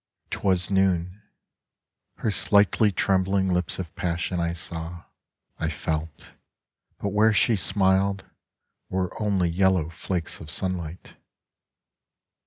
Twas noon ; Her slightly trembling lips of passion I saw% I felt, but where she smiled Were only yellow flakes of sunlight.